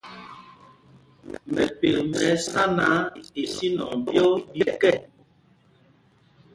Mɛpek mɛ ɛsá náǎ, isínɔŋ ɓyɔ́ ɓi kɛ.